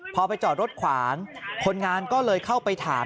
พอไปจอดรถขวางคนงานก็เลยเข้าไปถาม